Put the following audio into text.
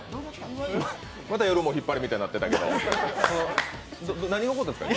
また「夜もヒッパレ」みたいになってたけど何が起こったんですか？